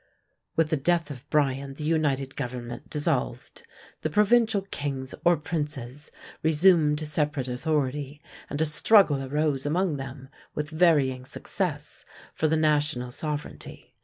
With the death of Brian the united government dissolved. The provincial kings, or princes, resumed separate authority and a struggle arose among them, with varying success, for the national sovereignty.